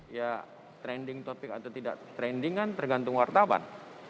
ya trending topik atau tidak trending kan tergantung wartaban